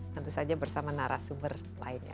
tentu saja bersama narasumber lainnya